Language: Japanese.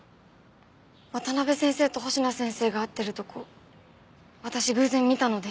渡辺先生と星名先生が会ってるとこ私偶然見たので。